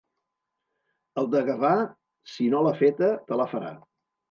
El de Gavà, si no l'ha feta, te la farà.